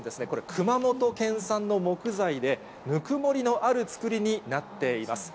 熊本県産の木材で、ぬくもりのある造りになっています。